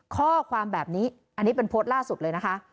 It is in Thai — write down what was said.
ข้อความแบบนี้อันนี้เป็นโพสต์ล่าสุดเลยนะคะ